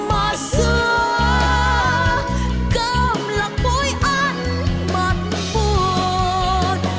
mà xưa cơm là cuối ánh mặt buồn